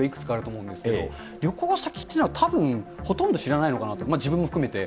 いくつかあると思うんですけど、旅行先っていうのは、たぶん、ほとんど知らないのかな、自分も含めて。